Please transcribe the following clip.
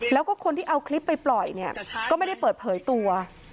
แล้วก็คนที่เอาคลิปไปปล่อยเนี่ยก็ไม่ได้เปิดเผยตัว